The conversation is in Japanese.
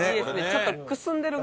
ちょっと。